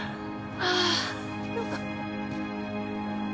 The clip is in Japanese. はあよかった